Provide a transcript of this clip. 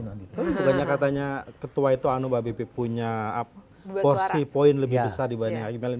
tentunya katanya ketua itu anu mbak bebe punya porsi poin lebih besar dibanding akim melin